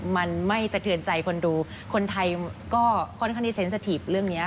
มันไม่สะเทือนใจคนดูคนไทยก็ค่อนข้างที่เซ็นสถีปเรื่องนี้